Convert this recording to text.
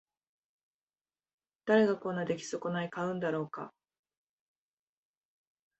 誰がこんな出来損ない買うんだろうか